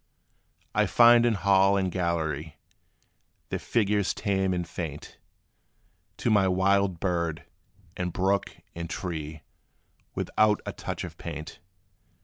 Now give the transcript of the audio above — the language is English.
I find in hall and gallery, Their figures tame and faint, To my wild bird, and brook, and tree, Without a touch of paint.